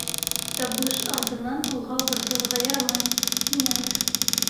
Сабыш алдынан уға борсолорға ярамай, һиңә лә.